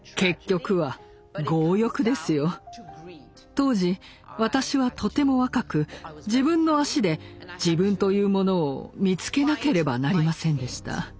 当時私はとても若く自分の足で自分というものを見つけなければなりませんでした。